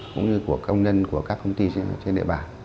cũng như của công nhân của các công ty trên địa bàn